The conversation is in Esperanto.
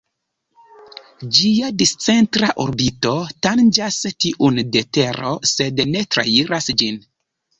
Ĝia discentra orbito tanĝas tiun de Tero sed ne trairas ĝin.